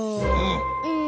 うん。